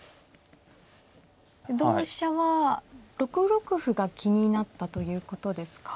同飛車は６六歩が気になったということですか。